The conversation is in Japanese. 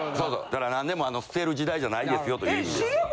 だから何でも捨てる時代じゃないですよという意味ですよ。